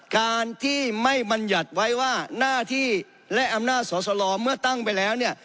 การที่ไม่บรรยัติไว้ว่าหน้าที่และอำนาจสอสลอเมื่อตั้งไปแล้วเนี่ย